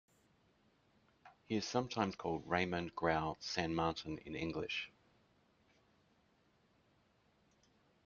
He is sometimes called Raymond Grau San Martin in English.